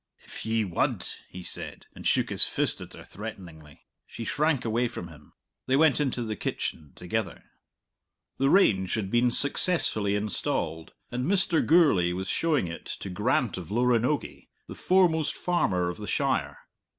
"If ye wud " he said, and shook his fist at her threateningly. She shrank away from him. They went into the kitchen together. The range had been successfully installed, and Mr. Gourlay was showing it to Grant of Loranogie, the foremost farmer of the shire.